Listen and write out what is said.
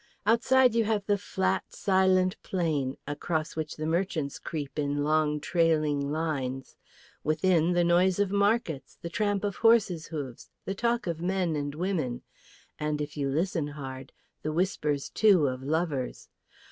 Outside you have the flat, silent plain, across which the merchants creep in long trailing lines, within the noise of markets, the tramp of horses' hoofs, the talk of men and women, and, if you listen hard, the whispers, too, of lovers.